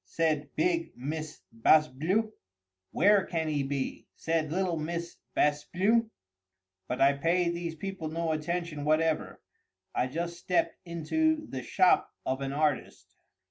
said big Miss Bas Bleu. "Where can he be?" said little Miss Bas Bleu.—But I paid these people no attention whatever—I just stepped into the shop of an artist.